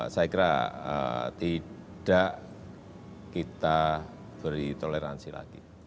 saya kira tidak kita beri toleransi lagi